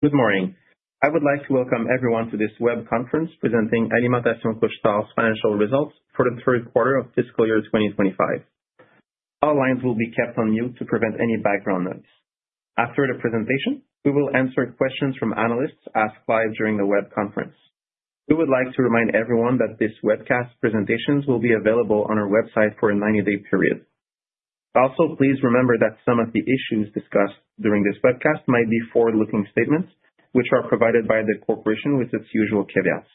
Good morning. I would like to welcome everyone to this web conference presenting Alimentation Couche-Tard's financial results for the third quarter of fiscal year 2025. All lines will be kept on mute to prevent any background noise. After the presentation, we will answer questions from analysts asked live during the web conference. We would like to remind everyone that this webcast presentation will be available on our website for a 90-day period. Also, please remember that some of the issues discussed during this webcast might be forward-looking statements, which are provided by the corporation with its usual caveats.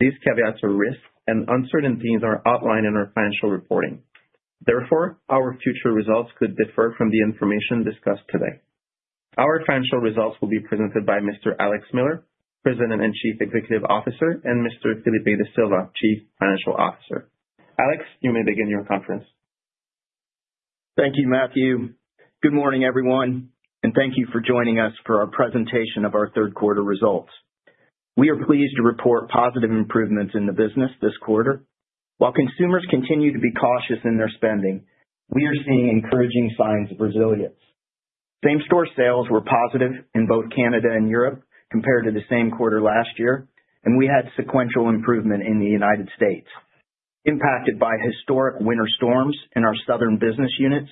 These caveats are risks, and uncertainties are outlined in our financial reporting. Therefore, our future results could differ from the information discussed today. Our financial results will be presented by Mr. Alex Miller, President and Chief Executive Officer, and Mr. Filipe Da Silva, Chief Financial Officer. Alex, you may begin your conference. Thank you, Mathieu. Good morning, everyone, and thank you for joining us for our presentation of our third quarter results. We are pleased to report positive improvements in the business this quarter. While consumers continue to be cautious in their spending, we are seeing encouraging signs of resilience. Same-store sales were positive in both Canada and Europe compared to the same quarter last year, and we had sequential improvement in the U.S., impacted by historic winter storms in our southern business units.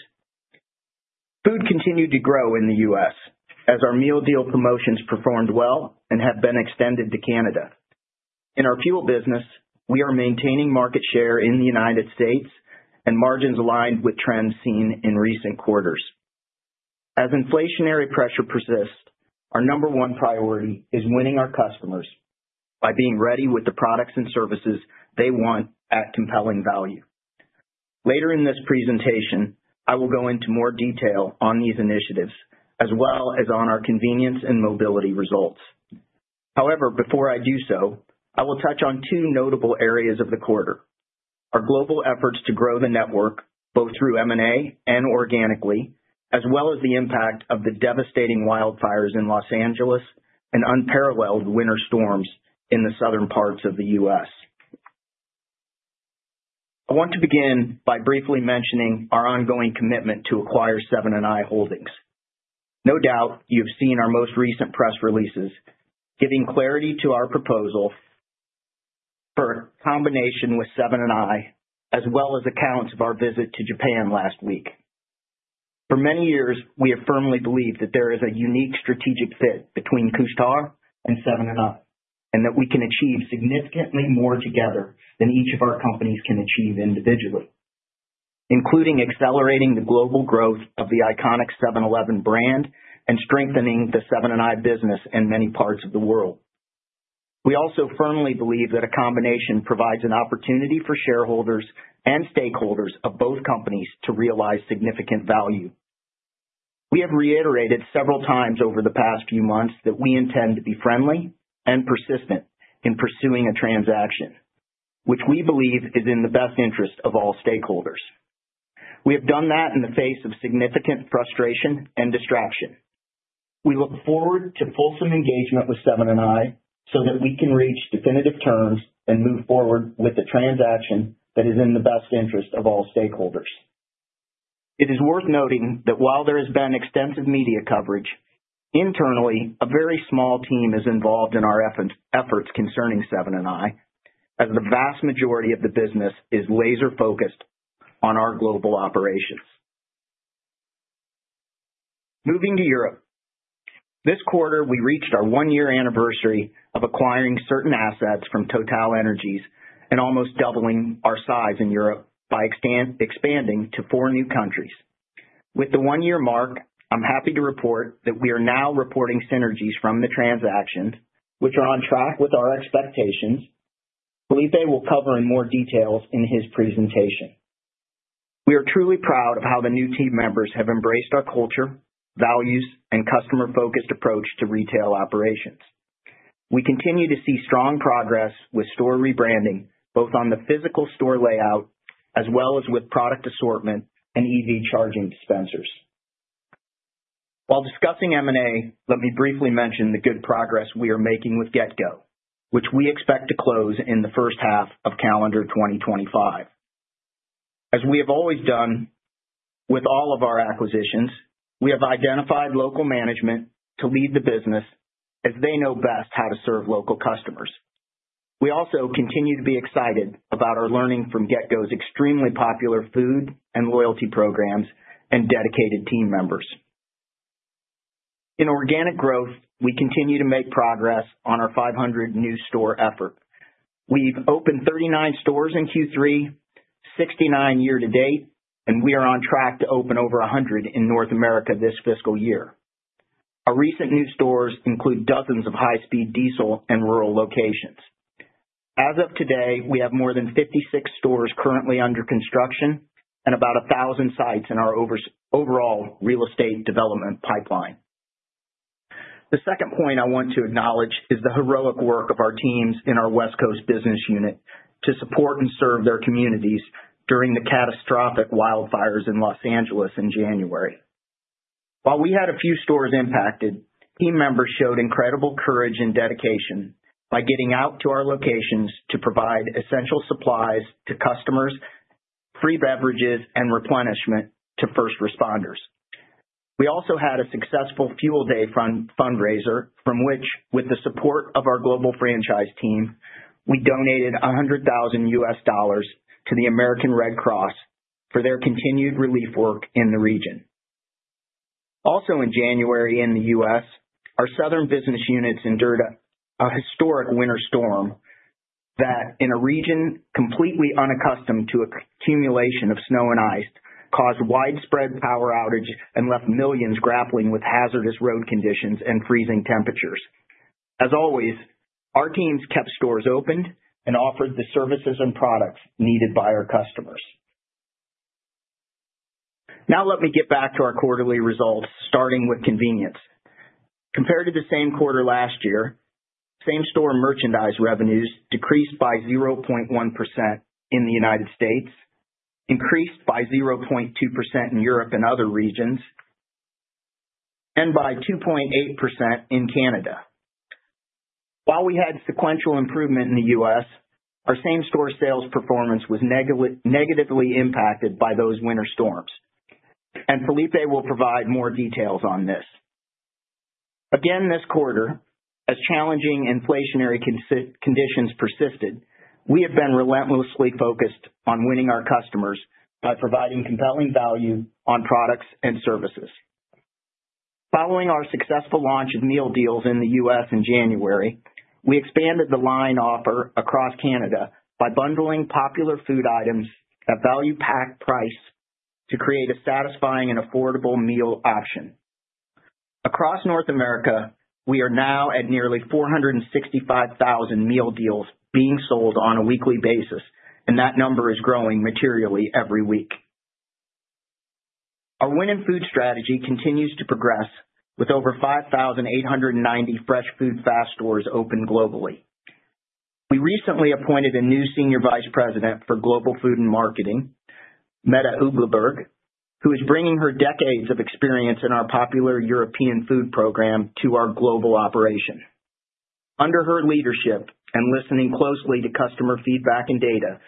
Food continued to grow in the U.S. as our Meal Deal promotions performed well and have been extended to Canada. In our fuel business, we are maintaining market share in the U.S. and margins aligned with trends seen in recent quarters. As inflationary pressure persists, our number one priority is winning our customers by being ready with the products and services they want at compelling value. Later in this presentation, I will go into more detail on these initiatives, as well as on our convenience and mobility results. However, before I do so, I will touch on two notable areas of the quarter: our global efforts to grow the network, both through M&A and organically, as well as the impact of the devastating wildfires in Los Angeles and unparalleled winter storms in the southern parts of the U.S. I want to begin by briefly mentioning our ongoing commitment Seven & i Holdings. no doubt, you have seen our most recent press releases giving clarity to our proposal for a combination with Seven & i, as well as accounts of our visit to Japan last week. For many years, we have firmly believed that there is a unique strategic fit between Couche-Tard and Seven & i, and that we can achieve significantly more together than each of our companies can achieve individually, including accelerating the global growth of the iconic 7-Eleven brand and strengthening the Seven & i business in many parts of the world. We also firmly believe that a combination provides an opportunity for shareholders and stakeholders of both companies to realize significant value. We have reiterated several times over the past few months that we intend to be friendly and persistent in pursuing a transaction, which we believe is in the best interest of all stakeholders. We have done that in the face of significant frustration and distraction. We look forward to fulsome engagement with Seven & i so that we can reach definitive terms and move forward with the transaction that is in the best interest of all stakeholders. It is worth noting that while there has been extensive media coverage, internally, a very small team is involved in our efforts concerning Seven & i, as the vast majority of the business is laser-focused on our global operations. Moving to Europe, this quarter, we reached our one-year anniversary of acquiring certain assets from TotalEnergies and almost doubling our size in Europe by expanding to four new countries. With the one-year mark, I'm happy to report that we are now reporting synergies from the transactions, which are on track with our expectations. Filipe will cover in more details in his presentation. We are truly proud of how the new team members have embraced our culture, values, and customer-focused approach to retail operations. We continue to see strong progress with store rebranding, both on the physical store layout as well as with product assortment and EV charging dispensers. While discussing M&A, let me briefly mention the good progress we are making with GetGo, which we expect to close in the first half of calendar 2025. As we have always done with all of our acquisitions, we have identified local management to lead the business as they know best how to serve local customers. We also continue to be excited about our learning from GetGo's extremely popular food and loyalty programs and dedicated team members. In organic growth, we continue to make progress on our 500 new store effort. We've opened 39 stores in Q3, 69 year-to-date, and we are on track to open over 100 in North America this fiscal year. Our recent new stores include dozens of high-speed diesel and rural locations. As of today, we have more than 56 stores currently under construction and about 1,000 sites in our overall real estate development pipeline. The second point I want to acknowledge is the heroic work of our teams in our West Coast business unit to support and serve their communities during the catastrophic wildfires in Los Angeles in January. While we had a few stores impacted, team members showed incredible courage and dedication by getting out to our locations to provide essential supplies to customers, free beverages, and replenishment to first responders. We also had a successful Fuel Day fundraiser, from which, with the support of our global franchise team, we donated $100,000 US dollars to the American Red Cross for their continued relief work in the region. Also, in January in the U.S., our southern business units endured a historic winter storm that, in a region completely unaccustomed to accumulation of snow and ice, caused widespread power outages and left millions grappling with hazardous road conditions and freezing temperatures. As always, our teams kept stores open and offered the services and products needed by our customers. Now, let me get back to our quarterly results, starting with convenience. Compared to the same quarter last year, same-store merchandise revenues decreased by 0.1% in the U.S., increased by 0.2% in Europe and other regions, and by 2.8% in Canada. While we had sequential improvement in the U.S., our same-store sales performance was negatively impacted by those winter storms, and Filipe will provide more details on this. Again, this quarter, as challenging inflationary conditions persisted, we have been relentlessly focused on winning our customers by providing compelling value on products and services. Following our successful launch of Meal Deals in the U.S. in January, we expanded the line offer across Canada by bundling popular food items at value-packed prices to create a satisfying and affordable meal option. Across North America, we are now at nearly 465,000 Meal Deals being sold on a weekly basis, and that number is growing materially every week. Our winning food strategy continues to progress, with over 5,890 Fresh Food, Fast stores open globally. We recently appointed a new Senior Vice President for Global Food and Marketing, Mette Uglebjerg, who is bringing her decades of experience in our popular European food program to our global operation. Under her leadership and listening closely to customer feedback and data,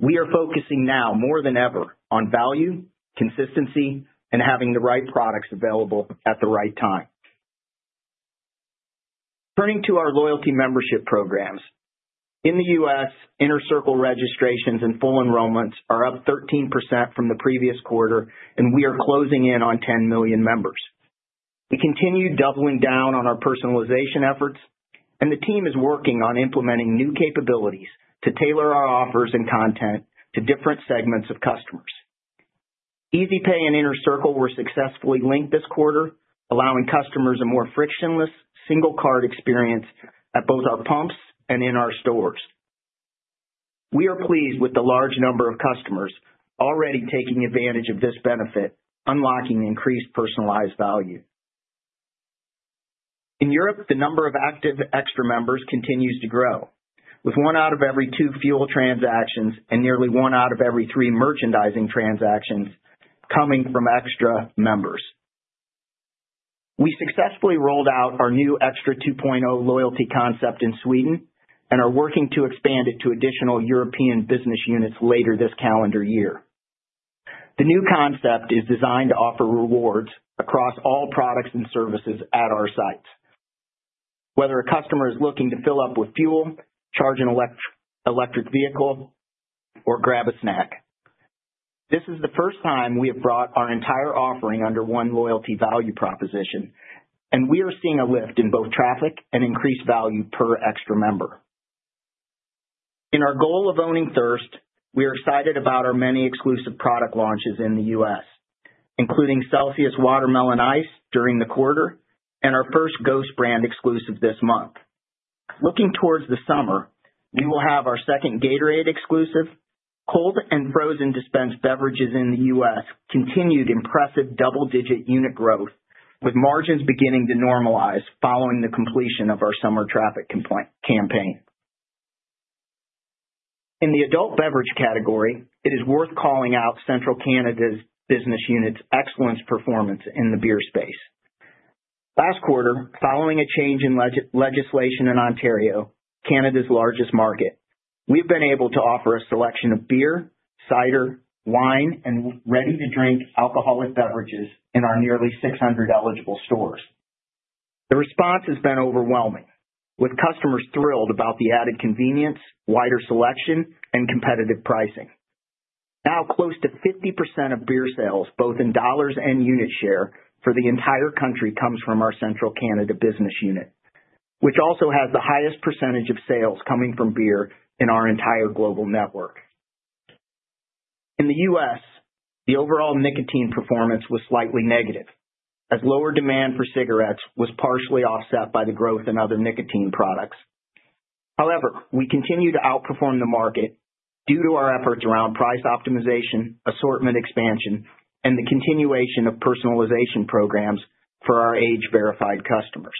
we are focusing now more than ever on value, consistency, and having the right products available at the right time. Turning to our loyalty membership programs, in the U.S., Inner Circle registrations and full enrollments are up 13% from the previous quarter, and we are closing in on 10 million members. We continue doubling down on our personalization efforts, and the team is working on implementing new capabilities to tailor our offers and content to different segments of customers. Easy Pay and Inner Circle were successfully linked this quarter, allowing customers a more frictionless single-card experience at both our pumps and in our stores. We are pleased with the large number of customers already taking advantage of this benefit, unlocking increased personalized value. In Europe, the number of active Extra members continues to grow, with one out of every two fuel transactions and nearly one out of every three merchandising transactions coming from Extra members. We successfully rolled out our new Extra 2.0 loyalty concept in Sweden and are working to expand it to additional European business units later this calendar year. The new concept is designed to offer rewards across all products and services at our sites, whether a customer is looking to fill up with fuel, charge an electric vehicle, or grab a snack. This is the first time we have brought our entire offering under one loyalty value proposition, and we are seeing a lift in both traffic and increased value per Extra member. In our goal of owning thirst, we are excited about our many exclusive product launches in the U.S., including CELSIUS Watermelon Ice during the quarter and our first Ghost brand exclusive this month. Looking towards the summer, we will have our second Gatorade exclusive. Cold and frozen dispensed beverages in the U.S. continued impressive double-digit unit growth, with margins beginning to normalize following the completion of our summer traffic campaign. In the adult beverage category, it is worth calling out Central Canada's business unit's excellent performance in the beer space. Last quarter, following a change in legislation in Ontario, Canada's largest market, we have been able to offer a selection of beer, cider, wine, and ready-to-drink alcoholic beverages in our nearly 600 eligible stores. The response has been overwhelming, with customers thrilled about the added convenience, wider selection, and competitive pricing. Now, close to 50% of beer sales, both in dollars and unit share for the entire country, come from our Central Canada business unit, which also has the highest percentage of sales coming from beer in our entire global network. In the U.S., the overall nicotine performance was slightly negative, as lower demand for cigarettes was partially offset by the growth in other nicotine products. However, we continue to outperform the market due to our efforts around price optimization, assortment expansion, and the continuation of personalization programs for our age-verified customers.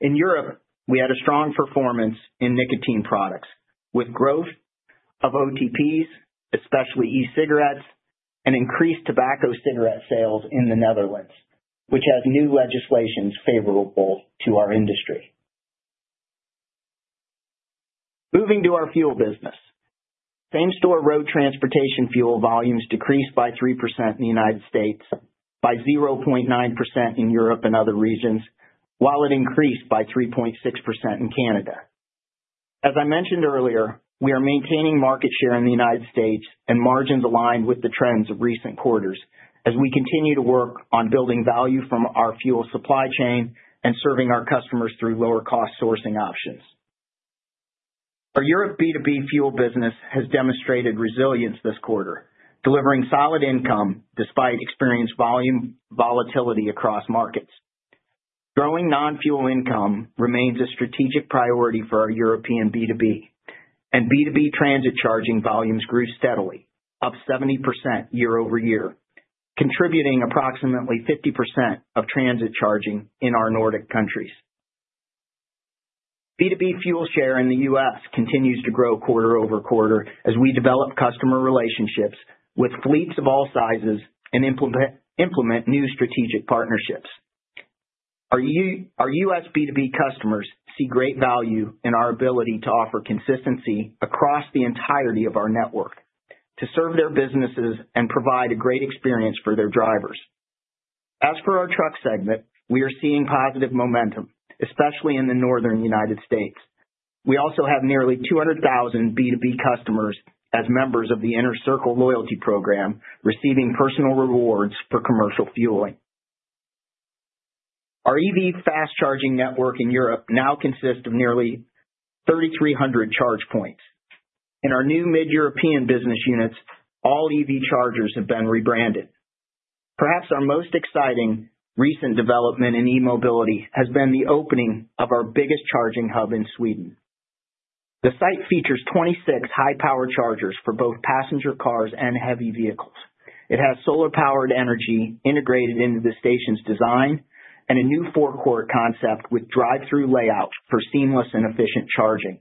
In Europe, we had a strong performance in nicotine products, with growth of OTPs, especially e-cigarettes, and increased tobacco cigarette sales in the Netherlands, which has new legislation favorable to our industry. Moving to our fuel business, same-store road transportation fuel volumes decreased by 3% in the U.S., by 0.9% in Europe and other regions, while it increased by 3.6% in Canada. As I mentioned earlier, we are maintaining market share in the U.S. and margins aligned with the trends of recent quarters, as we continue to work on building value from our fuel supply chain and serving our customers through lower-cost sourcing options. Our Europe B2B fuel business has demonstrated resilience this quarter, delivering solid income despite experienced volume volatility across markets. Growing non-fuel income remains a strategic priority for our European B2B, and B2B transit charging volumes grew steadily, up 70% year-over-year, contributing approximately 50% of transit charging in our Nordic countries. B2B fuel share in the U.S. continues to grow quarter-over-quarter as we develop customer relationships with fleets of all sizes and implement new strategic partnerships. Our U.S. B2B customers see great value in our ability to offer consistency across the entirety of our network to serve their businesses and provide a great experience for their drivers. As for our truck segment, we are seeing positive momentum, especially in the Northern U.S.. We also have nearly 200,000 B2B customers as members of the Inner Circle loyalty program, receiving personal rewards for commercial fueling. Our EV fast charging network in Europe now consists of nearly 3,300 charge points. In our new mid-European business units, all EV chargers have been rebranded. Perhaps our most exciting recent development in e-mobility has been the opening of our biggest charging hub in Sweden. The site features 26 high-power chargers for both passenger cars and heavy vehicles. It has solar-powered energy integrated into the station's design and a new forecourt concept with drive-through layout for seamless and efficient charging.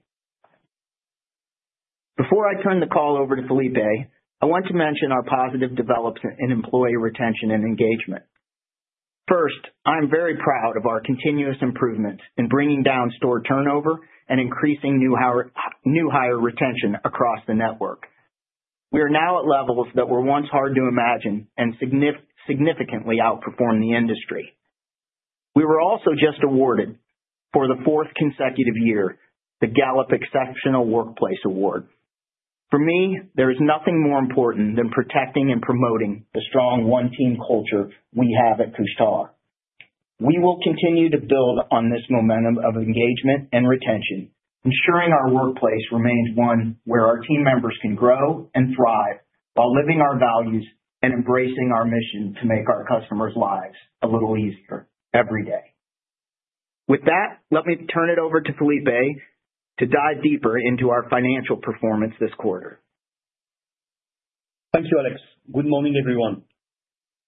Before I turn the call over to Filipe, I want to mention our positive development in employee retention and engagement. First, I'm very proud of our continuous improvements in bringing down store turnover and increasing new hire retention across the network. We are now at levels that were once hard to imagine and significantly outperform the industry. We were also just awarded, for the fourth consecutive year, the Gallup Exceptional Workplace Award. For me, there is nothing more important than protecting and promoting the strong one-team culture we have at Couche-Tard. We will continue to build on this momentum of engagement and retention, ensuring our workplace remains one where our team members can grow and thrive while living our values and embracing our mission to make our customers' lives a little easier every day. With that, let me turn it over to Filipe to dive deeper into our financial performance this quarter. Thank you, Alex. Good morning, everyone.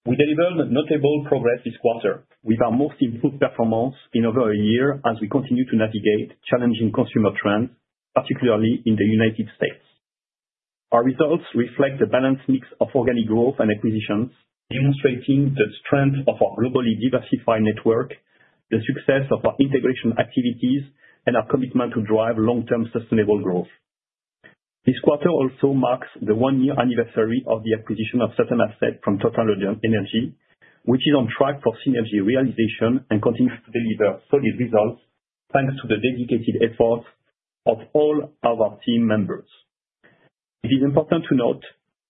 We delivered notable progress this quarter, with our most improved performance in over a year as we continue to navigate challenging consumer trends, particularly in the U.S. Our results reflect a balanced mix of organic growth and acquisitions, demonstrating the strength of our globally diversified network, the success of our integration activities, and our commitment to drive long-term sustainable growth. This quarter also marks the one-year anniversary of the acquisition of certain asset from TotalEnergies, which is on track for synergy realization and continues to deliver solid results thanks to the dedicated efforts of all our team members. It is important to note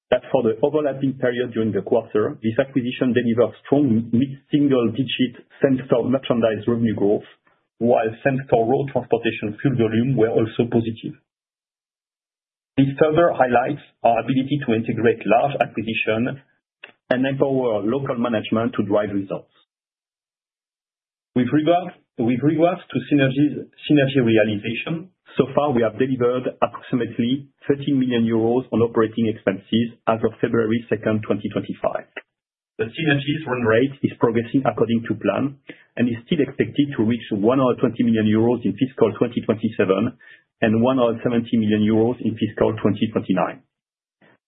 that for the overlapping period during the quarter, this acquisition delivered strong single-digit central merchandise revenue growth, while central road transportation fuel volume was also positive. This further highlights our ability to integrate large acquisitions and empower local management to drive results. With regards to synergy realization, so far, we have delivered approximately 13 million euros on operating expenses as of February 2nd, 2025. The synergies run rate is progressing according to plan and is still expected to reach 120 million euros in fiscal 2027 and 170 million euros in fiscal 2029.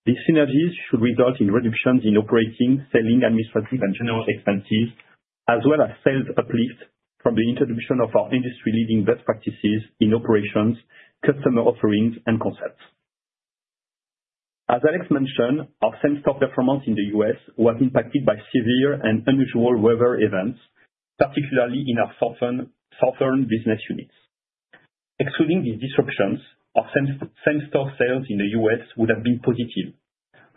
These synergies should result in reductions in operating, selling, administrative, and general expenses, as well as sales uplift from the introduction of our industry-leading best practices in operations, customer offerings, and concepts. As Alex mentioned, our same-store performance in the U.S. was impacted by severe and unusual weather events, particularly in our southern business units. Excluding these disruptions, our same-store sales in the U.S. would have been positive,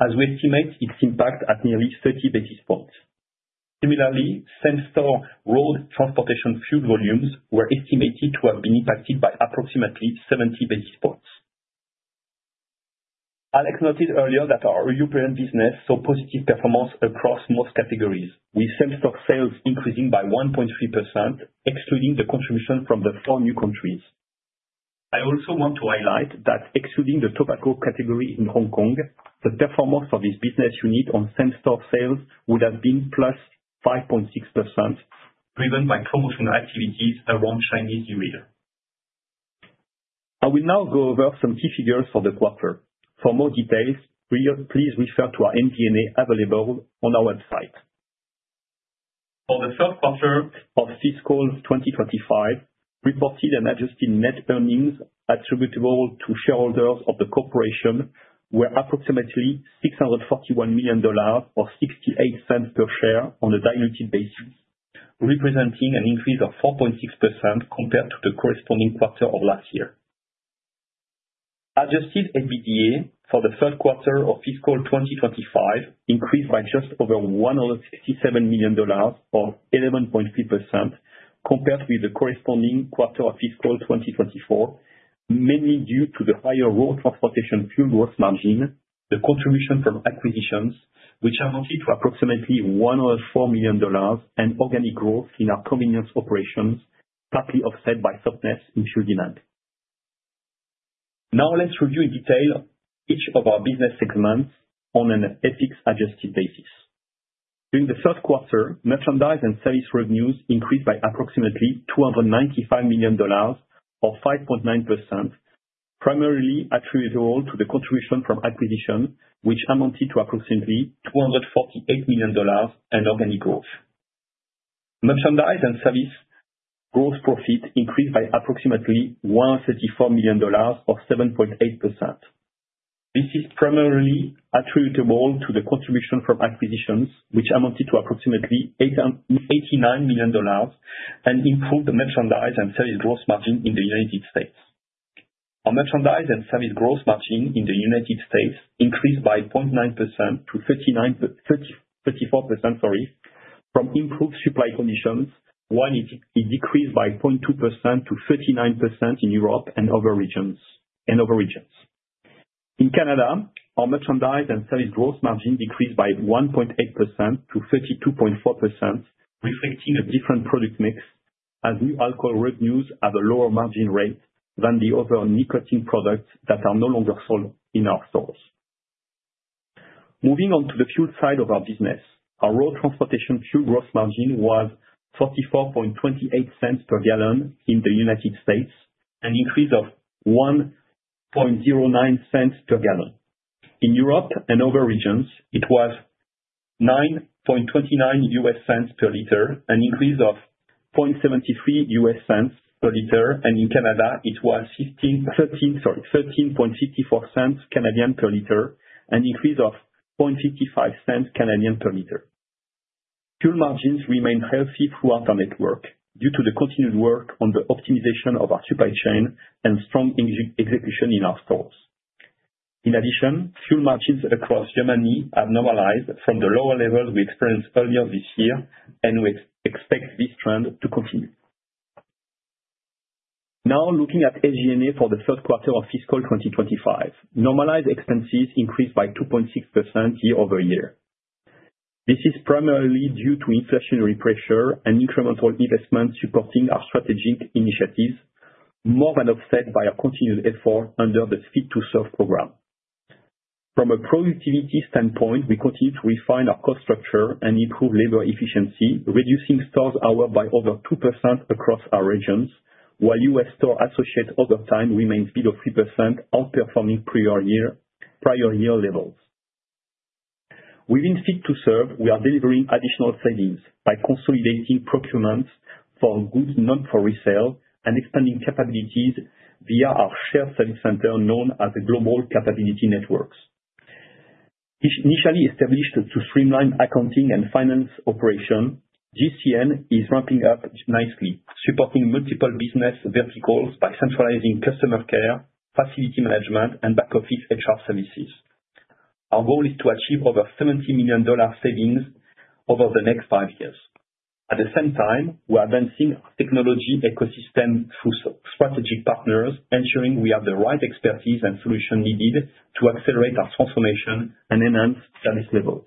as we estimate its impact at nearly 30 basis points. Similarly, same-store road transportation fuel volumes were estimated to have been impacted by approximately 70 basis points. Alex noted earlier that our European business saw positive performance across most categories, with same-store sales increasing by 1.3%, excluding the contribution from the four new countries. I also want to highlight that excluding the tobacco category in Hong Kong, the performance of this business unit on same-store sales would have been +5.6%, driven by promotional activities around Chinese New Year. I will now go over some key figures for the quarter. For more details, please refer to our MD&A available on our website. For the third quarter of fiscal 2025, reported and adjusted net earnings attributable to shareholders of the corporation were approximately $641 million, or $0.68 per share, on a diluted basis, representing an increase of 4.6% compared to the corresponding quarter of last year. Adjusted EBITDA for the third quarter of fiscal 2025 increased by just over $167 million, or 11.3%, compared with the corresponding quarter of fiscal 2024, mainly due to the higher road transportation fuel gross margin, the contribution from acquisitions, which amounted to approximately $104 million, and organic growth in our convenience operations, partly offset by softness in fuel demand. Now, let's review in detail each of our business segments on an FX-adjusted basis. During the third quarter, merchandise and service revenues increased by approximately $295 million, or 5.9%, primarily attributable to the contribution from acquisitions, which amounted to approximately $248 million in organic growth. Merchandise and service gross profit increased by approximately $134 million, or 7.8%. This is primarily attributable to the contribution from acquisitions, which amounted to approximately $89 million and improved the merchandise and service gross margin in the U.S. Our merchandise and service gross margin in the U.S. increased by 0.9% to 34%, sorry, from improved supply conditions, while it decreased by 0.2% to 39% in Europe and other regions. In Canada, our merchandise and service gross margin decreased by 1.8% to 32.4%, reflecting a different product mix, as new alcohol revenues have a lower margin rate than the other nicotine products that are no longer sold in our stores. Moving on to the fuel side of our business, our road transportation fuel gross margin was $0.4428 per gallon in the U.S., an increase of $0.0109 per gallon. In Europe and other regions, it was $0.0929 per liter, an increase of $0.0073 per liter, and in Canada, it was 0.1354 per liter, an increase of 0.0055 per liter. Fuel margins remain healthy throughout our network due to the continued work on the optimization of our supply chain and strong execution in our stores. In addition, fuel margins across Germany have normalized from the lower levels we experienced earlier this year, and we expect this trend to continue. Now, looking at SG&A for the third quarter of fiscal 2025, normalized expenses increased by 2.6% year-over-year. This is primarily due to inflationary pressure and incremental investments supporting our strategic initiatives, more than offset by our continued effort under the Fit to Serve Program. From a productivity standpoint, we continue to refine our cost structure and improve labor efficiency, reducing stores' hour by over 2% across our regions, while U.S. store associate overtime remains below 3%, outperforming prior year levels. Within Fit to Serve, we are delivering additional savings by consolidating procurements for goods not for resale and expanding capabilities via our shared service center known as the Global Capability Network. Initially established to streamline accounting and finance operations, GCN is ramping up nicely, supporting multiple business verticals by centralizing customer care, facility management, and back-office HR services. Our goal is to achieve over $70 million savings over the next five years. At the same time, we are advancing our technology ecosystem through strategic partners, ensuring we have the right expertise and solutions needed to accelerate our transformation and enhance service levels.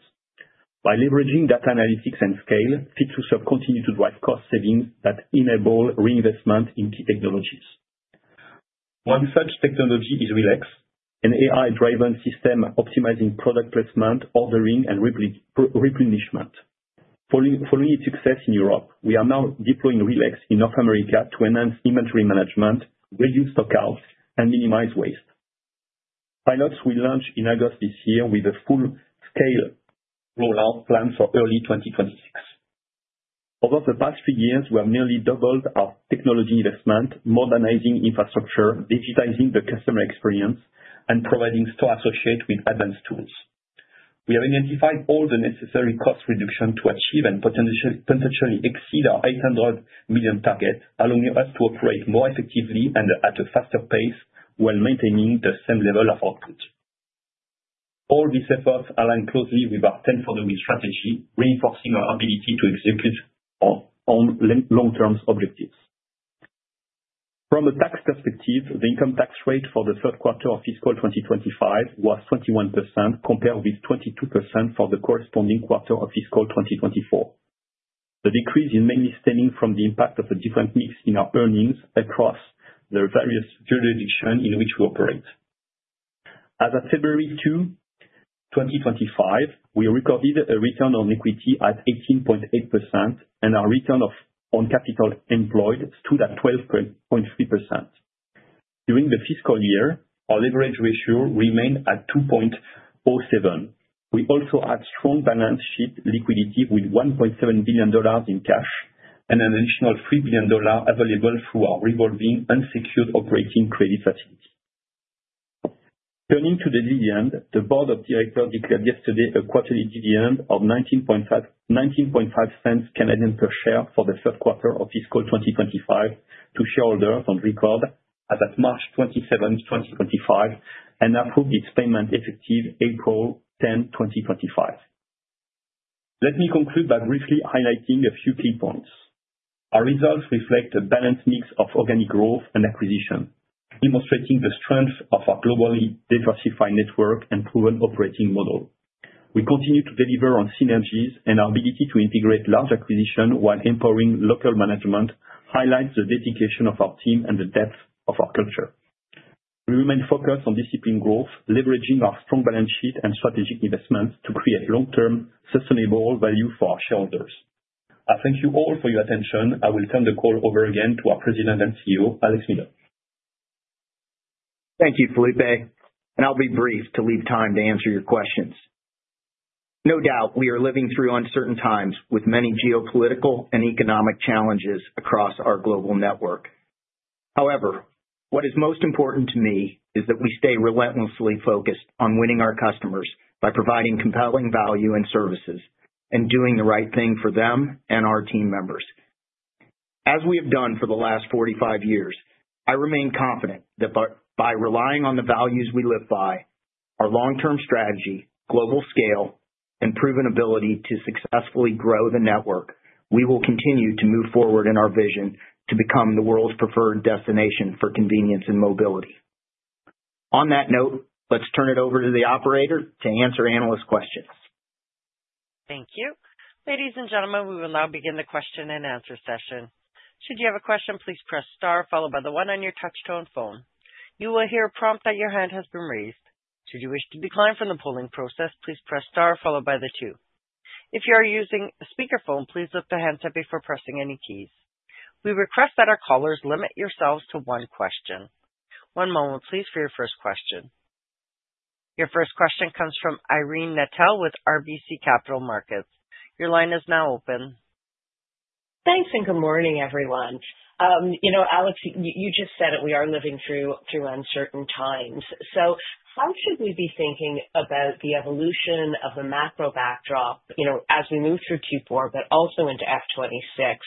By leveraging data analytics and scale, Fit to Serve continues to drive cost savings that enable reinvestment in key technologies. One such technology is RELEX, an AI-driven system optimizing product placement, ordering, and replenishment. Following its success in Europe, we are now deploying RELEX in North America to enhance inventory management, reduce stockouts, and minimize waste. Pilots will launch in August this year, with a full-scale rollout planned for early 2026. Over the past three years, we have nearly doubled our technology investment, modernizing infrastructure, digitizing the customer experience, and providing store associates with advanced tools. We have identified all the necessary cost reductions to achieve and potentially exceed our $800 million target, allowing us to operate more effectively and at a faster pace while maintaining the same level of output. All these efforts align closely with our 10 for the Win strategy, reinforcing our ability to execute our own long-term objectives. From a tax perspective, the income tax rate for the third quarter of fiscal 2025 was 21%, compared with 22% for the corresponding quarter of fiscal 2024. The decrease is mainly stemming from the impact of a different mix in our earnings across the various jurisdictions in which we operate. As of February 2, 2025, we recorded a return on equity at 18.8%, and our return on capital employed stood at 12.3%. During the fiscal year, our leverage ratio remained at 2.07. We also had strong balance sheet liquidity with $1.7 billion in cash and an additional $3 billion available through our revolving unsecured operating credit facility. Turning to the dividend, the Board of Directors declared yesterday a quarterly dividend of $0.195 per share for the third quarter of fiscal 2025 to shareholders on record as of March 27, 2025, and approved its payment effective April 10, 2025. Let me conclude by briefly highlighting a few key points. Our results reflect a balanced mix of organic growth and acquisition, demonstrating the strength of our globally diversified network and proven operating model. We continue to deliver on synergies, and our ability to integrate large acquisitions while empowering local management highlights the dedication of our team and the depth of our culture. We remain focused on disciplined growth, leveraging our strong balance sheet and strategic investments to create long-term sustainable value for our shareholders. I thank you all for your attention. I will turn the call over again to our President and CEO, Alex Miller. Thank you, Filipe. I'll be brief to leave time to answer your questions. No doubt, we are living through uncertain times with many geopolitical and economic challenges across our global network. However, what is most important to me is that we stay relentlessly focused on winning our customers by providing compelling value and services and doing the right thing for them and our team members. As we have done for the last 45 years, I remain confident that by relying on the values we live by, our long-term strategy, global scale, and proven ability to successfully grow the network, we will continue to move forward in our vision to become the world's preferred destination for convenience and mobility. On that note, let's turn it over to the operator to answer analyst questions. Thank you. Ladies and gentlemen, we will now begin the question-and-answer session. Should you have a question, please press star, followed by the one on your touch-tone phone. You will hear a prompt that your hand has been raised. Should you wish to decline from the polling process, please press star, followed by the two. If you are using a speakerphone, please lift the handset before pressing any keys. We request that our callers limit yourselves to one question. One moment, please, for your first question. Your first question comes from Irene Nattel with RBC Capital Markets. Your line is now open. Thanks, and good morning, everyone. You know, Alex, you just said it. We are living through uncertain times. How should we be thinking about the evolution of the macro backdrop as we move through Q4, but also into F2026?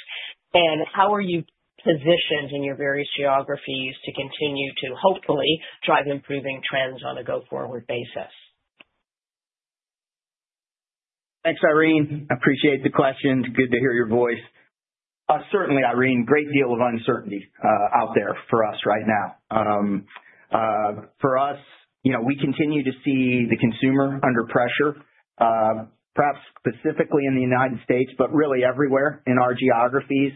How are you positioned in your various geographies to continue to hopefully drive improving trends on a go-forward basis? Thanks, Irene. I appreciate the questions. Good to hear your voice. Certainly, Irene, a great deal of uncertainty out there for us right now. For us, we continue to see the consumer under pressure, perhaps specifically in the U.S., but really everywhere in our geographies.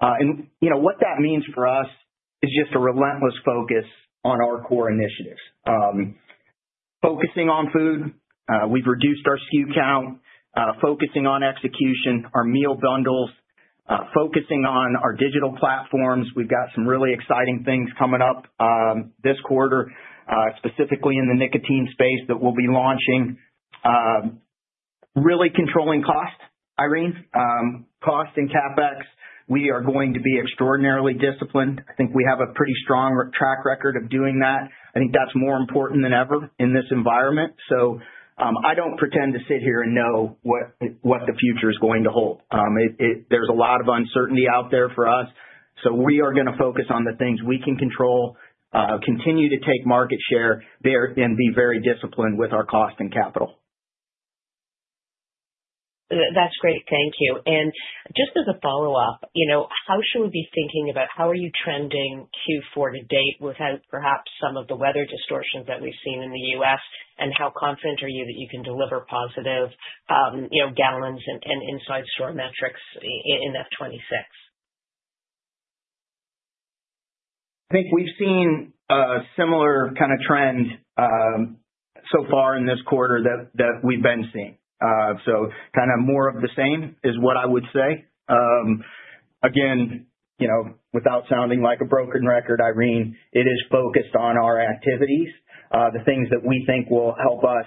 What that means for us is just a relentless focus on our core initiatives. Focusing on food, we've reduced our SKU count, focusing on execution, our meal bundles, focusing on our digital platforms. We've got some really exciting things coming up this quarter, specifically in the nicotine space that we'll be launching. Really controlling cost, Irene, cost and CapEx. We are going to be extraordinarily disciplined. I think we have a pretty strong track record of doing that. I think that's more important than ever in this environment. I don't pretend to sit here and know what the future is going to hold. There's a lot of uncertainty out there for us. We are going to focus on the things we can control, continue to take market share, and be very disciplined with our cost and capital. That's great. Thank you. Just as a follow-up, how should we be thinking about how are you trending Q4 to date without perhaps some of the weather distortions that we've seen in the U.S.? How confident are you that you can deliver positive gallons and inside store metrics in F26? I think we've seen a similar kind of trend so far in this quarter that we've been seeing. Kind of more of the same is what I would say. Again, without sounding like a broken record, Irene, it is focused on our activities, the things that we think will help us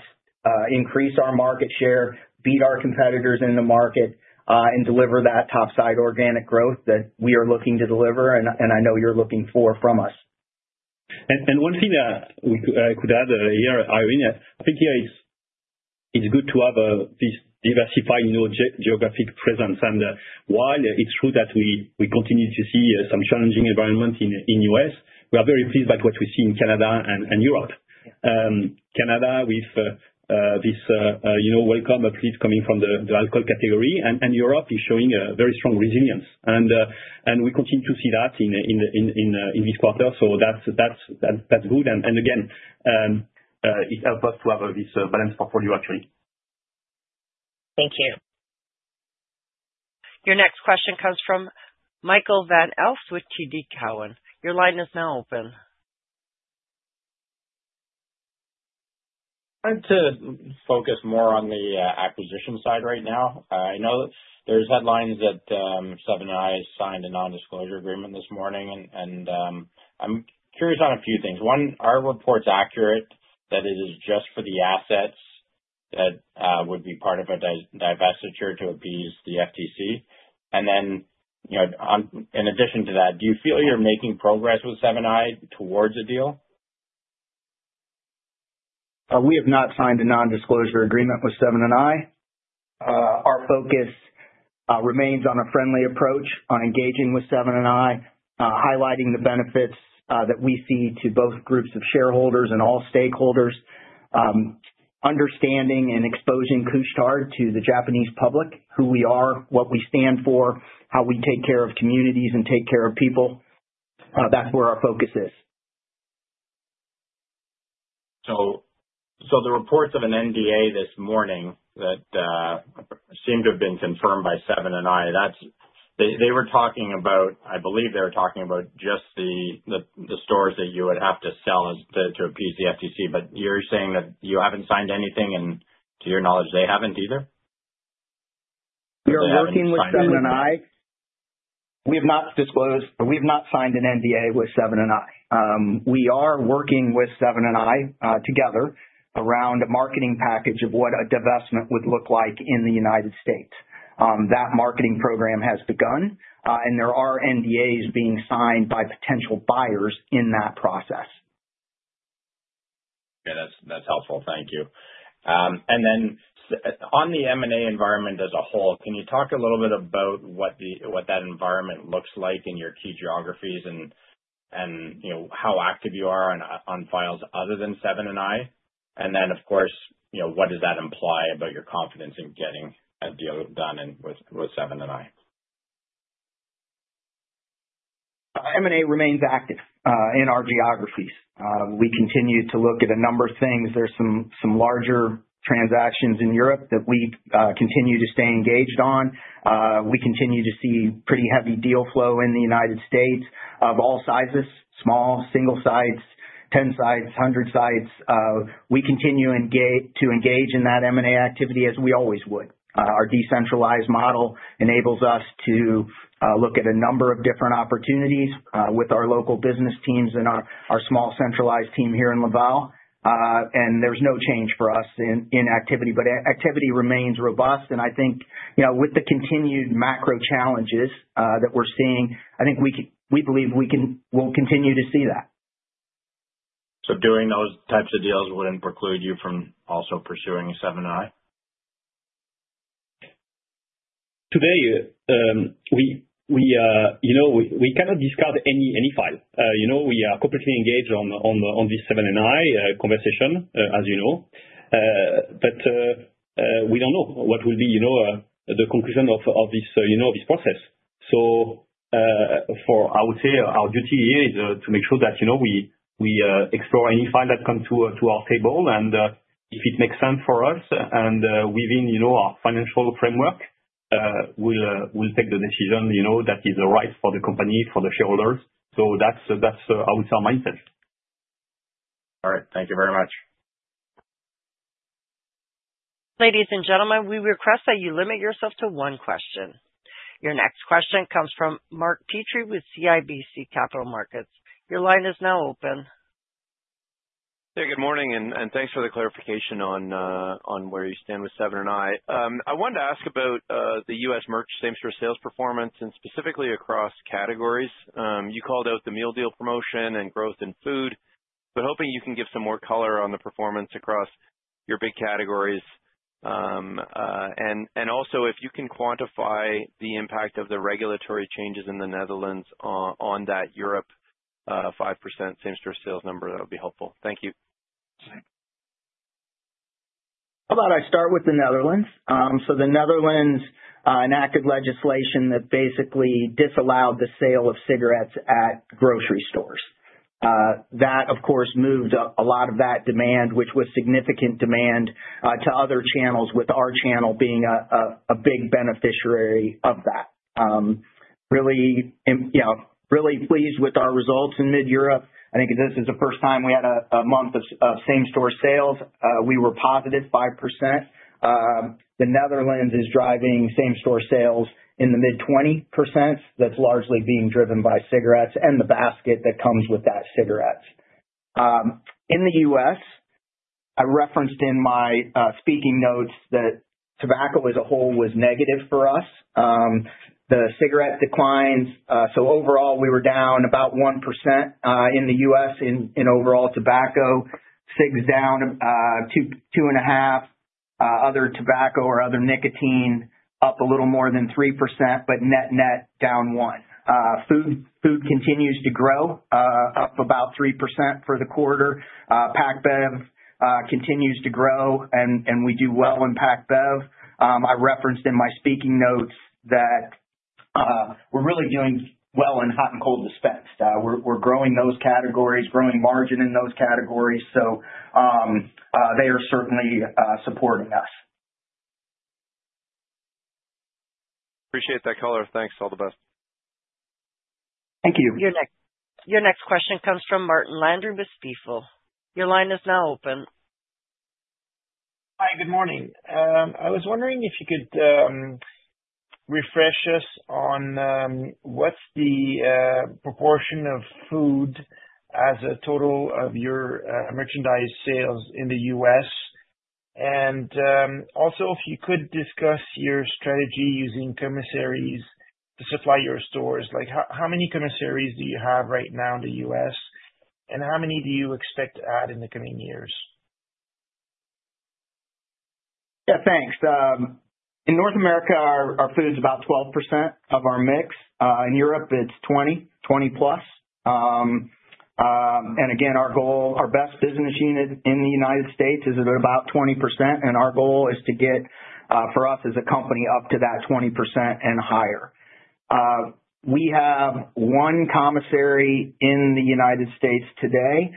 increase our market share, beat our competitors in the market, and deliver that topside organic growth that we are looking to deliver and I know you're looking for from us. One thing I could add here, Irene, I think it's good to have this diversified geographic presence. While it's true that we continue to see some challenging environment in the U.S., we are very pleased by what we see in Canada and Europe. Canada with this welcome uplift coming from the alcohol category, and Europe is showing a very strong resilience. We continue to see that in this quarter. That is good. It helps us to have this balanced portfolio, actually. Thank you. Your next question comes from Michael Van Aelst with TD Cowen. Your line is now open. I'd like to focus more on the acquisition side right now. I know there's Seven & i signed a non-disclosure agreement this morning. I'm curious on a few things. One, are reports accurate that it is just for the assets that would be part of a divestiture to appease the FTC? In addition to that, do you feel you're making progress with Seven & i towards a deal? We have not signed a non-disclosure Seven & i. Our focus remains on a friendly approach on engaging with Seven & i, highlighting the benefits that we see to both groups of shareholders and all stakeholders. Understanding and exposing Couche-Tard to the Japanese public, who we are, what we stand for, how we take care of communities and take care of people. That's where our focus is. The reports of an NDA this morning that seemed to have been Seven & i, they were talking about, I believe they were talking about just the stores that you would have to sell to appease the FTC. You're saying that you haven't signed anything, and to your knowledge, they haven't either? We are working with Seven & i. We have not disclosed, we have not signed an NDA with Seven & i. We are working with Seven & i together around a marketing package of what a divestment would look like in the U.S. That marketing program has begun, and there are NDAs being signed by potential buyers in that process. Yeah, that's helpful. Thank you. On the M&A environment as a whole, can you talk a little bit about what that environment looks like in your key geographies and how active you are on files Seven & i? What does that imply about your confidence in getting a deal done with Seven & i? M&A remains active in our geographies. We continue to look at a number of things. There are some larger transactions in Europe that we continue to stay engaged on. We continue to see pretty heavy deal flow in the U.S. of all sizes: small, single sites, 10 sites, 100 sites. We continue to engage in that M&A activity as we always would. Our decentralized model enables us to look at a number of different opportunities with our local business teams and our small centralized team here in Laval. There is no change for us in activity. Activity remains robust. I think with the continued macro challenges that we are seeing, I think we believe we will continue to see that. Doing those types of deals would not preclude you from also pursuing Seven & i? Today, we cannot discard any file. We are completely engaged Seven & i conversation, as you know. We do not know what will be the conclusion of this process. I would say our duty here is to make sure that we explore any file that comes to our table. If it makes sense for us and within our financial framework, we will take the decision that is right for the company, for the shareholders. That is our mindset. All right. Thank you very much. Ladies and gentlemen, we request that you limit yourself to one question. Your next question comes from Mark Petrie with CIBC Capital Markets. Your line is now open. Hey, good morning, and thanks for the clarification on where you Seven & i. I wanted to ask about the U.S. merch same-store sales performance and specifically across categories. You called out the Meal Deals promotion and growth in food, but hoping you can give some more color on the performance across your big categories. If you can quantify the impact of the regulatory changes in the Netherlands on that Europe 5% same-store sales number, that would be helpful. Thank you. How about I start with the Netherlands? The Netherlands enacted legislation that basically disallowed the sale of cigarettes at grocery stores. That, of course, moved a lot of that demand, which was significant demand, to other channels, with our channel being a big beneficiary of that. Really pleased with our results in mid-Europe. I think this is the first time we had a month of same-store sales. We were positive 5%. The Netherlands is driving same-store sales in the mid-20%. That's largely being driven by cigarettes and the basket that comes with that cigarette. In the U.S., I referenced in my speaking notes that tobacco as a whole was negative for us. The cigarette declines. Overall, we were down about 1% in the U.S. in overall tobacco. Cigs down 2.5%. Other tobacco or other nicotine up a little more than 3%, but net-net down 1%. Food continues to grow, up about 3% the quarter. Packaged bev continues to grow, and we packaged bev. i referenced in my speaking notes that we're really doing well in hot and cold dispense. We're growing those categories, growing margin in those categories. They are certainly supporting us. Appreciate that color. Thanks. All the best. Thank you. Your next question comes from Martin Landry with Stifel. Your line is now open. Hi, good morning. I was wondering if you could refresh us on what's the proportion of food as a total of your merchandise sales in the U.S.? Also, if you could discuss your strategy using commissaries to supply your stores. How many commissaries do you have right now in the U.S., and how many do you expect to add in the coming years? Yeah, thanks. In North America, our food is about 12% of our mix. In Europe, it's 20, 20-plus %. Again, our goal, our best business unit in the U.S. is about 20%. Our goal is to get, for us as a company, up to that 20% and higher. We have one commissary in the U.S. today.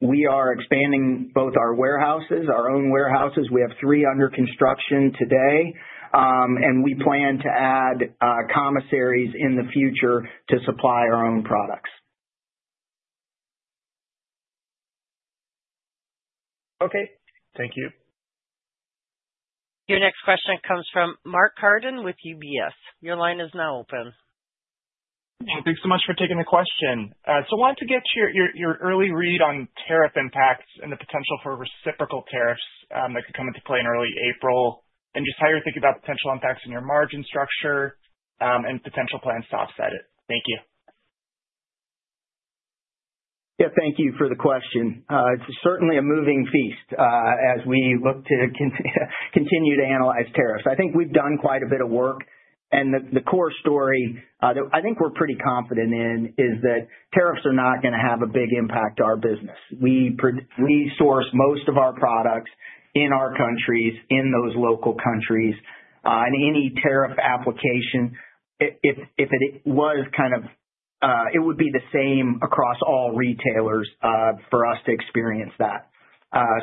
We are expanding both our warehouses, our own warehouses. We have three under construction today. We plan to add commissaries in the future to supply our own products. Okay. Thank you. Your next question comes from Mark Carden with UBS. Your line is now open. Thanks so much for taking the question. I wanted to get your early read on tariff impacts and the potential for reciprocal tariffs that could come into play in early April, and just how you're thinking about potential impacts in your margin structure and potential plans to offset it. Thank you. Yeah, thank you for the question. It's certainly a moving feast as we look to continue to analyze tariffs. I think we've done quite a bit of work. The core story that I think we're pretty confident in is that tariffs are not going to have a big impact on our business. We source most of our products in our countries, in those local countries. Any tariff application, if it was kind of, it would be the same across all retailers for us to experience that.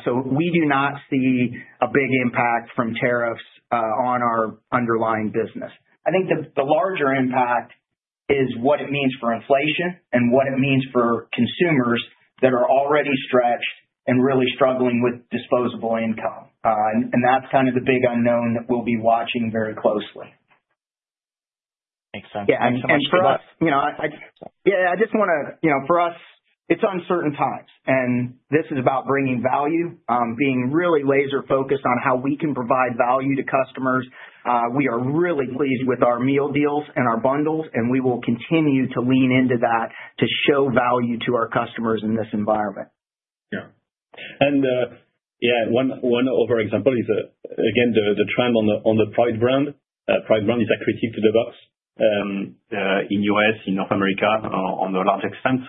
We do not see a big impact from tariffs on our underlying business. I think the larger impact is what it means for inflation and what it means for consumers that are already stretched and really struggling with disposable income. That is kind of the big unknown that we will be watching very closely. Makes sense. Yeah, for us, I just want to, for us, it is uncertain times. This is about bringing value, being really laser-focused on how we can provide value to customers. We are really pleased with our Meal Deals and our bundles, and we will continue to lean into that to show value to our customers in this environment. Yeah. Yeah, one overall example is, again, the trend on the Pride brand. Pride brand is a critique to the box in the U.S., in North America, on a large extent.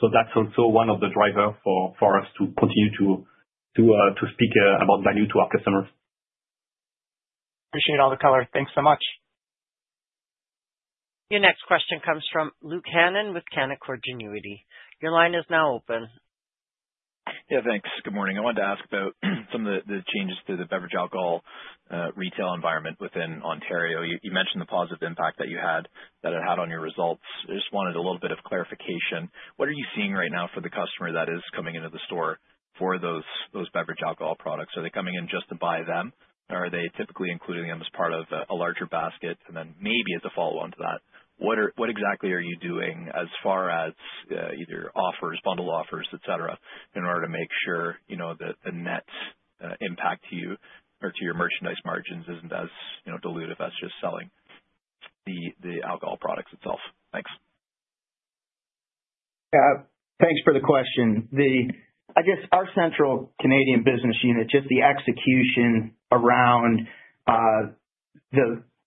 That is also one of the drivers for us to continue to speak about value to our customers. Appreciate all the color. Thanks so much. Your next question comes from Luke Hannan with Canaccord Genuity. Your line is now open. Yeah, thanks. Good morning. I wanted to ask about some of the changes to the beverage alcohol retail environment within Ontario. You mentioned the positive impact that you had, that it had on your results. I just wanted a little bit of clarification. What are you seeing right now for the customer that is coming into the store for those beverage alcohol products? Are they coming in just to buy them, or are they typically including them as part of a larger basket, and then maybe as a follow-on to that? What exactly are you doing as far as either offers, bundle offers, etc., in order to make sure that the net impact to you or to your merchandise margins isn't as dilutive as just selling the alcohol products itself? Thanks. Yeah, thanks for the question. I guess our central Canadian business unit, just the execution around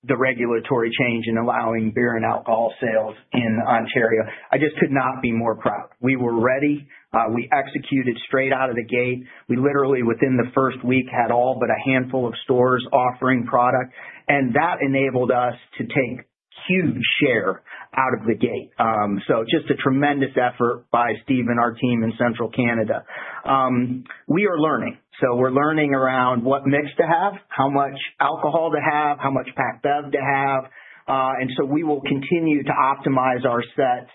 the regulatory change in allowing beer and alcohol sales in Ontario, I just could not be more proud. We were ready. We executed straight out of the gate. We literally, within the first week, had all but a handful of stores offering product. That enabled us to take a huge share out of the gate. Just a tremendous effort by Steve and our team in Central Canada. We are learning. We are learning around what mix to have, how much alcohol to packaged bev to have. we will continue to optimize our set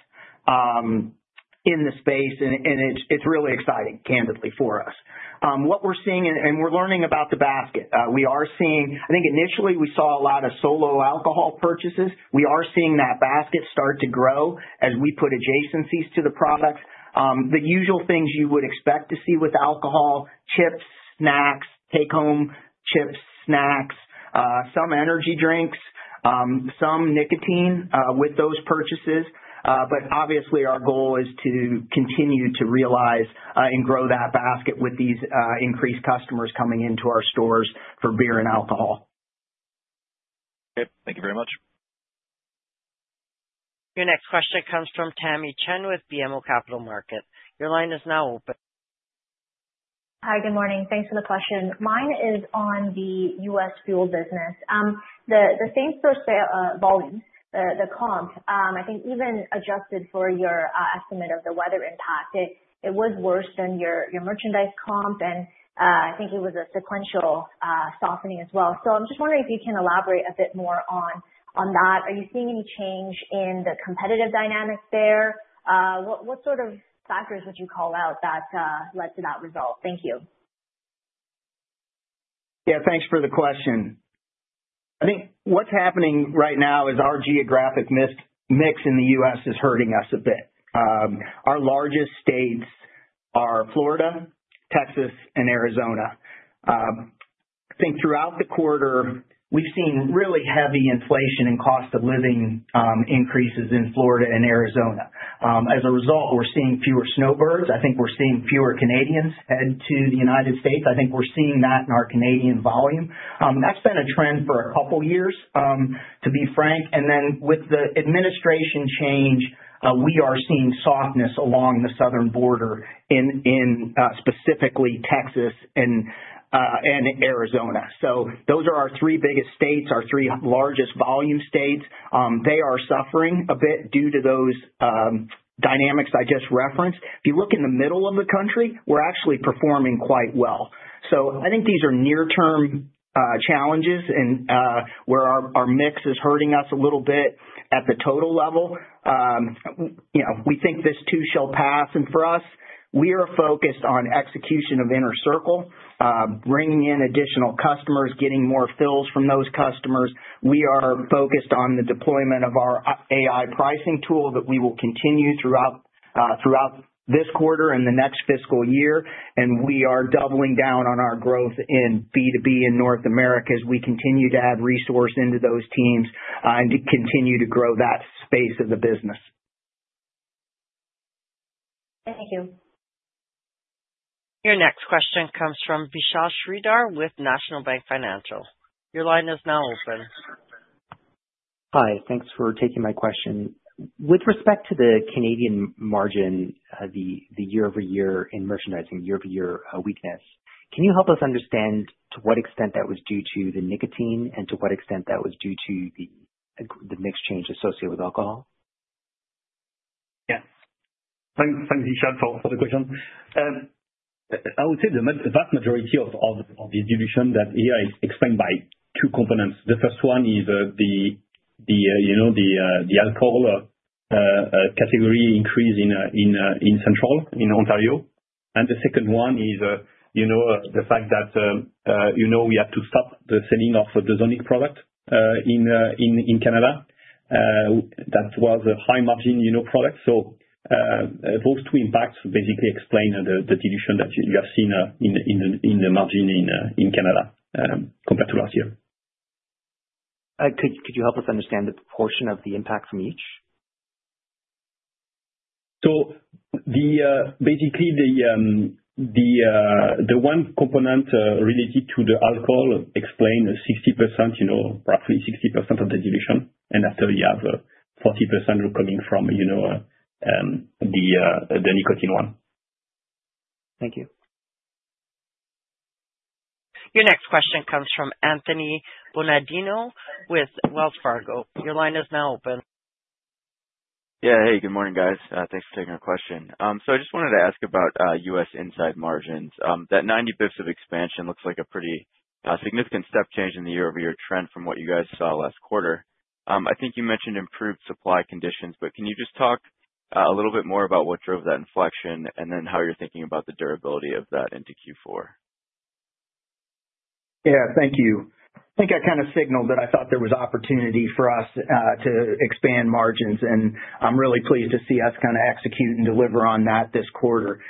in the space, and it is really exciting, candidly, for us. What we are seeing, and we are learning about the basket. We are seeing, I think initially we saw a lot of solo alcohol purchases. We are seeing that basket start to grow as we put adjacencies to the products. The usual things you would expect to see with alcohol: chips, snacks, take-home chips, snacks, some energy drinks, some nicotine with those purchases. Obviously, our goal is to continue to realize and grow that basket with these increased customers coming into our stores for beer and alcohol. Okay. Thank you very much. Your next question comes from Tamy Chen with BMO Capital Markets. Your line is now open. Hi, good morning. Thanks for the question. Mine is on the U.S. fuel business. The same-store sale volumes, the comp, I think even adjusted for your estimate of the weather impact, it was worse than your merchandise comp, and I think it was a sequential softening as well. I am just wondering if you can elaborate a bit more on that. Are you seeing any change in the competitive dynamic there? What sort of factors would you call out that led to that result? Thank you. Yeah, thanks for the question. I think what is happening right now is our geographic mix in the U.S. is hurting us a bit. Our largest states are Florida, Texas, and Arizona. I think throughout the quarter, we've seen really heavy inflation and cost of living increases in Florida and Arizona. As a result, we're seeing fewer snowbirds. I think we're seeing fewer Canadians head to the U.S. I think we're seeing that in our Canadian volume. That's been a trend for a couple of years, to be frank. With the administration change, we are seeing softness along the southern border in specifically Texas and Arizona. Those are our three biggest states, our three largest volume states. They are suffering a bit due to those dynamics I just referenced. If you look in the middle of the country, we're actually performing quite well. I think these are near-term challenges where our mix is hurting us a little bit at the total level. We think this too shall pass. For us, we are focused on execution of Inner Circle, bringing in additional customers, getting more fills from those customers. We are focused on the deployment of our AI pricing tool that we will continue throughout this quarter and the next fiscal year. We are doubling down on our growth in B2B in North America as we continue to add resources into those teams and continue to grow that space of the business. Thank you. Your next question comes from Vishal Shreedhar with National Bank Financial. Your line is now open. Hi, thanks for taking my question. With respect to the Canadian margin, the year-over-year in merchandising, year-over-year weakness, can you help us understand to what extent that was due to the nicotine and to what extent that was due to the mix change associated with alcohol? Yeah. Thanks, Vishal. For the question, I would say the vast majority of the dilution that here I explain by two components. The first one is the alcohol category increase in Central, in Ontario. The second one is the fact that we had to stop the selling of the ZONNIC product in Canada. That was a high-margin product. Those two impacts basically explain the dilution that you have seen in the margin in Canada compared to last year. Could you help us understand the proportion of the impact from each? Basically, the one component related to the alcohol explained 60%, roughly 60% of the dilution. After, you have 40% coming from the nicotine one. Thank you. Your next question comes from Anthony Bonadio with Wells Fargo. Your line is now open. Yeah. Hey, good morning, guys. Thanks for taking our question. I just wanted to ask about U.S. inside margins. That 90 basis points of expansion looks like a pretty significant step change in the year-over-year trend from what you guys saw last quarter. I think you mentioned improved supply conditions, but can you just talk a little bit more about what drove that inflection and then how you're thinking about the durability of that into Q4? Yeah, thank you. I think I kind of signaled that I thought there was opportunity for us to expand margins, and I'm really pleased to see us kind of execute and deliver on that this quarter.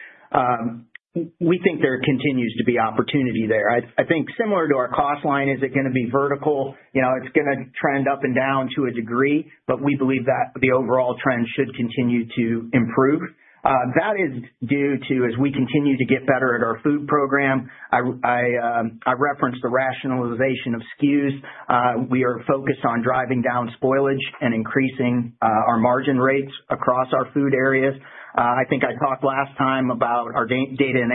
We think there continues to be opportunity there. I think similar to our cost line, is it going to be vertical? It's going to trend up and down to a degree, but we believe that the overall trend should continue to improve. That is due to, as we continue to get better at our food program. I referenced the rationalization of SKUs. We are focused on driving down spoilage and increasing our margin rates across our food areas. I think I talked last time about our data and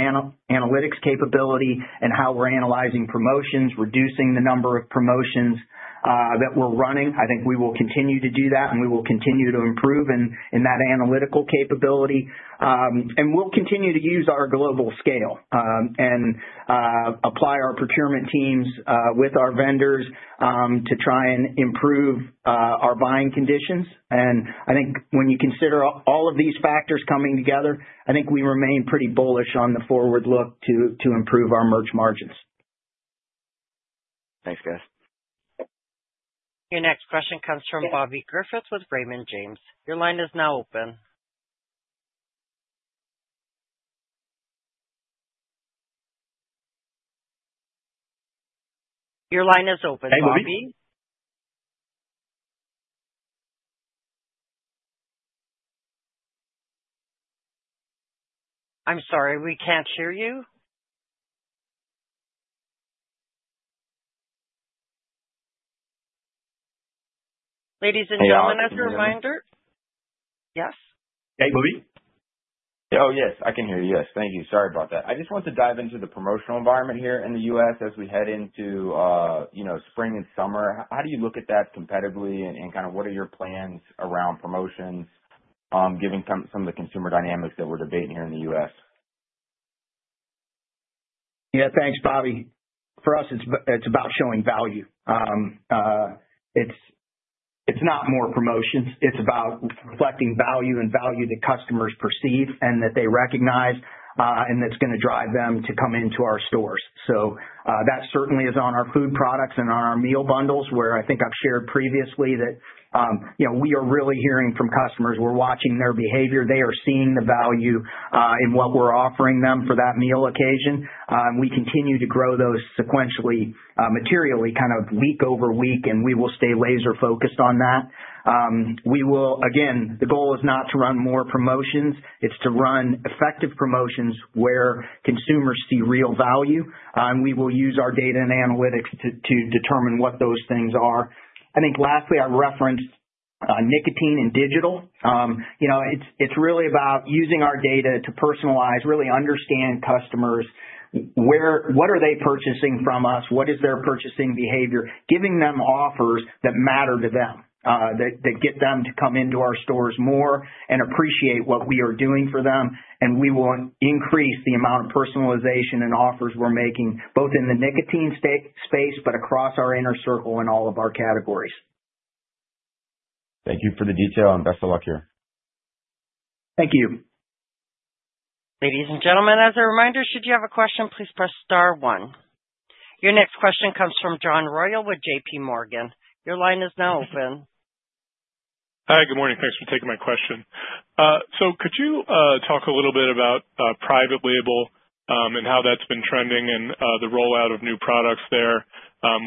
analytics capability and how we're analyzing promotions, reducing the number of promotions that we're running. I think we will continue to do that, and we will continue to improve in that analytical capability. We will continue to use our global scale and apply our procurement teams with our vendors to try and improve our buying conditions. I think when you consider all of these factors coming together, I think we remain pretty bullish on the forward look to improve our merch margins. Thanks, guys. Your next question comes from Bobby Griffin with Raymond James. Your line is now open. Your line is open. Hey, Bobby. I'm sorry, we can't hear you. Ladies and gentlemen, as a reminder. Yes? Hey, Bobby. Oh, yes. I can hear you. Yes. Thank you. Sorry about that. I just wanted to dive into the promotional environment here in the U.S. as we head into spring and summer. How do you look at that competitively and kind of what are your plans around promotions, given some of the consumer dynamics that we're debating here in the U.S.? Yeah, thanks, Bobby. For us, it's about showing value. It's not more promotions. It's about reflecting value and value that customers perceive and that they recognize and that's going to drive them to come into our stores. That certainly is on our food products and on our meal bundles where I think I've shared previously that we are really hearing from customers. We're watching their behavior. They are seeing the value in what we're offering them for that meal occasion. We continue to grow those sequentially, materially, kind of week-over-week, and we will stay laser-focused on that. Again, the goal is not to run more promotions. It's to run effective promotions where consumers see real value. We will use our data and analytics to determine what those things are. I think lastly, I referenced nicotine and digital. It's really about using our data to personalize, really understand customers. What are they purchasing from us? What is their purchasing behavior? Giving them offers that matter to them, that get them to come into our stores more and appreciate what we are doing for them. We will increase the amount of personalization and offers we're making, both in the nicotine space but across our Inner Circle in all of our categories. Thank you for the detail, and best of luck here. Thank you. Ladies and gentlemen, as a reminder, should you have a question, please press star one. Your next question comes from John Royall with JPMorgan. Your line is now open. Hi, good morning. Thanks for taking my question. Could you talk a little bit about private label and how that's been trending and the rollout of new products there,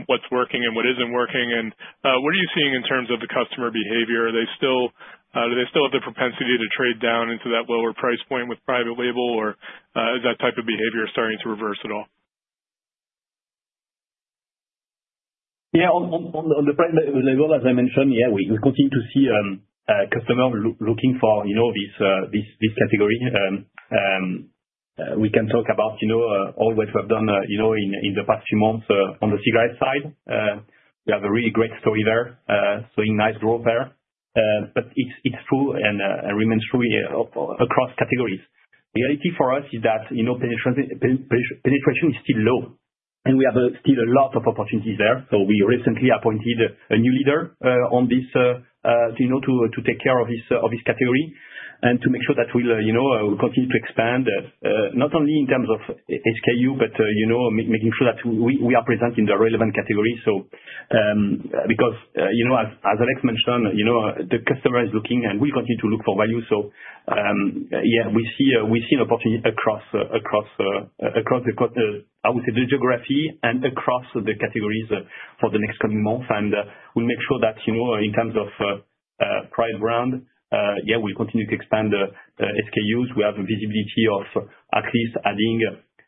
what's working and what isn't working, and what are you seeing in terms of the customer behavior? Do they still have the propensity to trade down into that lower price point with private label, or is that type of behavior starting to reverse at all? Yeah, on the private label, as I mentioned, yeah, we continue to see customers looking for this category. We can talk about all what we've done in the past few months on the cigarette side. We have a really great story there, seeing nice growth there. It is true and remains true across categories. The reality for us is that penetration is still low, and we have still a lot of opportunities there. We recently appointed a new leader on this to take care of this category and to make sure that we will continue to expand, not only in terms of SKU, but making sure that we are present in the relevant category. Because as Alex mentioned, the customer is looking, and we continue to look for value. Yeah, we see an opportunity across, I would say, the geography and across the categories for the next coming month. We will make sure that in terms of private brand, yeah, we will continue to expand SKUs. We have a visibility of at least adding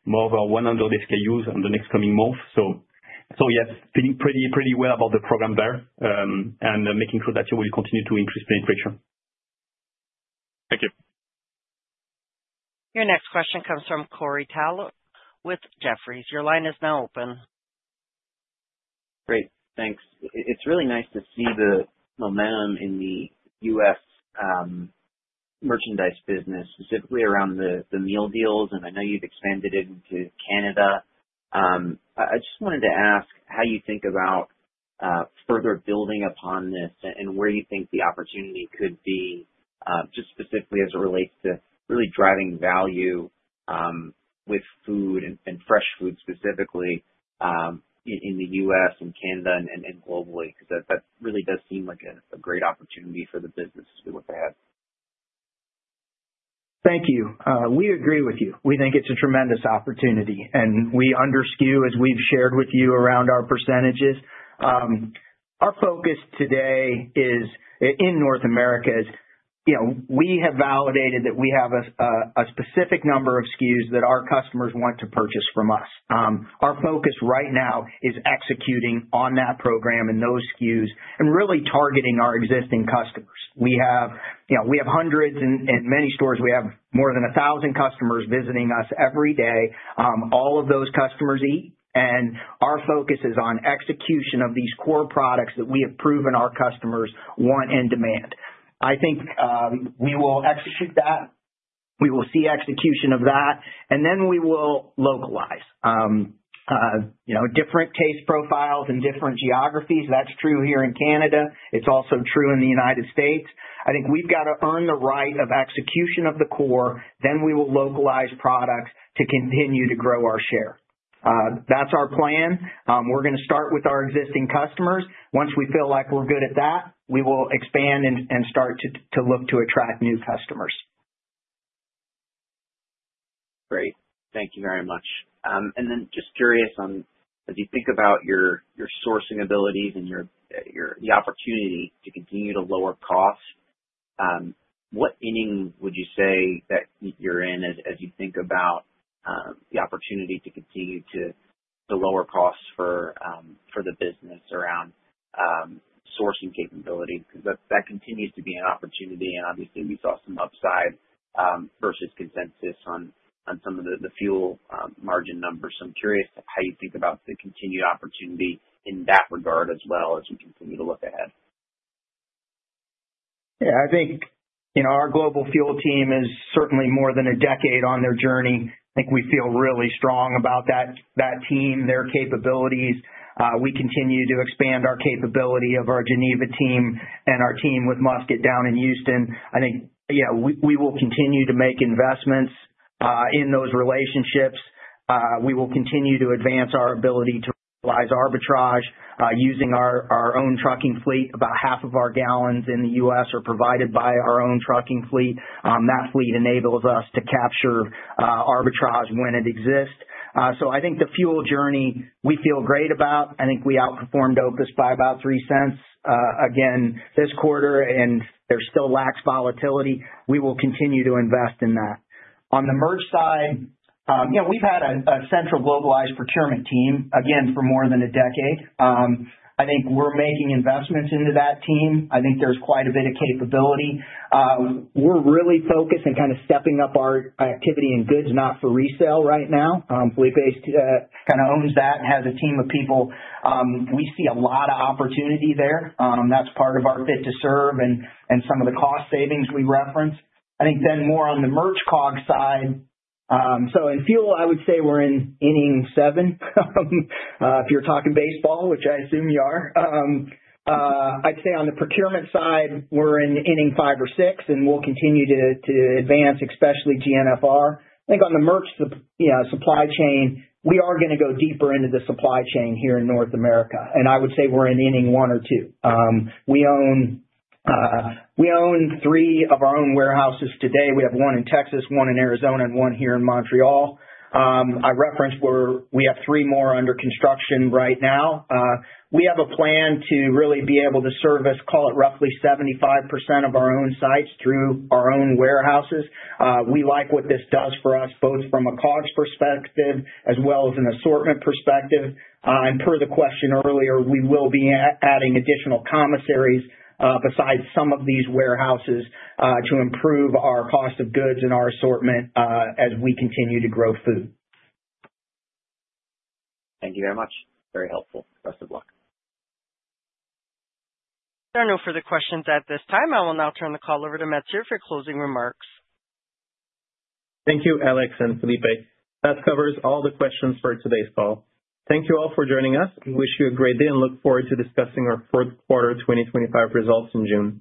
more of our 100 SKUs in the next coming month. Yeah, feeling pretty well about the program there and making sure that we'll continue to increase penetration. Thank you. Your next question comes from Corey Tarlowe with Jefferies. Your line is now open. Great. Thanks. It's really nice to see the momentum in the U.S. merchandise business, specifically around the Meal Deals. And I know you've expanded into Canada. I just wanted to ask how you think about further building upon this and where you think the opportunity could be, just specifically as it relates to really driving value with food and Fresh Food specifically in the U.S. and Canada and globally, because that really does seem like a great opportunity for the business to be looking ahead. Thank you. We agree with you. We think it's a tremendous opportunity, and we under skew, as we've shared with you around our percentages. Our focus today in North America is we have validated that we have a specific number of SKUs that our customers want to purchase from us. Our focus right now is executing on that program and those SKUs and really targeting our existing customers. We have hundreds in many stores. We have more than 1,000 customers visiting us every day. All of those customers eat, and our focus is on execution of these core products that we have proven our customers want and demand. I think we will execute that. We will see execution of that, and then we will localize different taste profiles in different geographies. That is true here in Canada. It is also true in the U.S. I think we have got to earn the right of execution of the core. Then we will localize products to continue to grow our share. That is our plan. We're going to start with our existing customers. Once we feel like we're good at that, we will expand and start to look to attract new customers. Great. Thank you very much. Just curious, as you think about your sourcing abilities and the opportunity to continue to lower costs, what ending would you say that you're in as you think about the opportunity to continue to lower costs for the business around sourcing capability? That continues to be an opportunity, and obviously, we saw some upside versus consensus on some of the fuel margin numbers. I'm curious how you think about the continued opportunity in that regard as well as we continue to look ahead. Yeah, I think our global fuel team is certainly more than a decade on their journey. I think we feel really strong about that team, their capabilities. We continue to expand our capability of our Geneva team and our team with Musket down in Houston. I think, yeah, we will continue to make investments in those relationships. We will continue to advance our ability to realize arbitrage using our own trucking fleet. About half of our gallons in the U.S. are provided by our own trucking fleet. That fleet enables us to capture arbitrage when it exists. I think the fuel journey, we feel great about. I think we outperformed OPIS by about $0.03 again this quarter, and there still lacks volatility. We will continue to invest in that. On the merch side, yeah, we've had a central globalized procurement team, again, for more than a decade. I think we're making investments into that team. I think there's quite a bit of capability. We're really focused and kind of stepping up our activity in goods-not-for-resale right now. Filipe kind of owns that and has a team of people. We see a lot of opportunity there. That's part of our Fit to Serve and some of the cost savings we referenced. I think then more on the merch COGS side. In fuel, I would say we're in inning seven, if you're talking baseball, which I assume you are. I'd say on the procurement side, we're in inning five or six, and we'll continue to advance, especially GNFR. I think on the merch supply chain, we are going to go deeper into the supply chain here in North America, and I would say we're in inning one or two. We own three of our own warehouses today. We have one in Texas, one in Arizona, and one here in Montreal. I referenced where we have three more under construction right now. We have a plan to really be able to service, call it roughly 75% of our own sites through our own warehouses. We like what this does for us, both from a COGS perspective as well as an assortment perspective. Per the question earlier, we will be adding additional commissaries besides some of these warehouses to improve our cost of goods and our assortment as we continue to grow food. Thank you very much. Very helpful. Best of luck. There are no further questions at this time. I will now turn the call over to Mathieu for closing remarks. Thank you, Alex and Filipe. That covers all the questions for today's call. Thank you all for joining us. We wish you a great day and look forward to discussing our fourth quarter 2025 results in June.